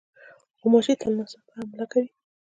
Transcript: غوماشې تل ناڅاپي حمله کوي.